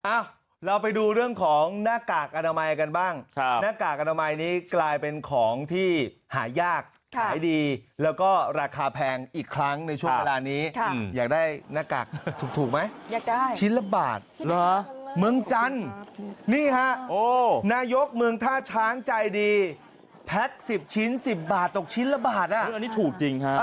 เอ้าเราไปดูเรื่องของหน้ากากอนามัยกันบ้าง